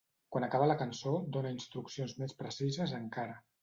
Quan acaba la cançó, dóna instruccions més precises encara.